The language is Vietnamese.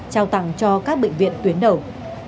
trao tặng cho các bệnh viện tuyến đầu